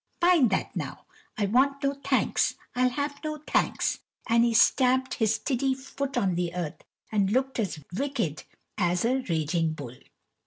Mind that now; I want no thanks, I'll have no thanks;" and he stampt his tiddy foot on the earth and looked as wicked as a raging bull.